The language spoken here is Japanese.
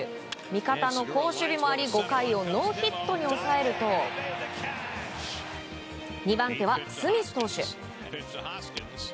味方の好守備もあり５回をノーヒットに抑えると２番手はスミス投手。